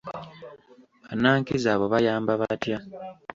Bannankizo abo bayamba batya?